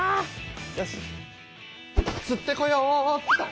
よしつってこようっと。